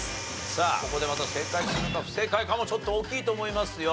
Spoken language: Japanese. さあここでまた正解するか不正解かもちょっと大きいと思いますよ。